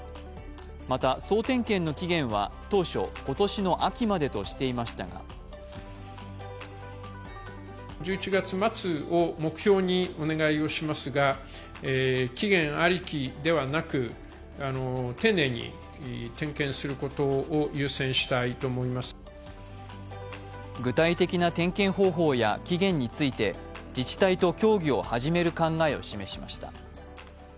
また、総点検の期限は当初今年の秋までとしていましたが具体的な点検方法や期限について自治体と協議を始める考えを示しました。